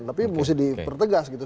tapi mesti dipertegas gitu